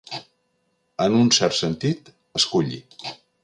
En un cert sentit, esculli.